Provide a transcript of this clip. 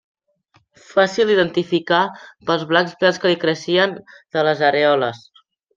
Fàcil d'identificar pels blancs pèls que li creixen de les arèoles.